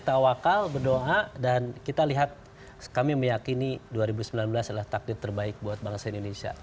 tawakal berdoa dan kita lihat kami meyakini dua ribu sembilan belas adalah takdir terbaik buat bangsa indonesia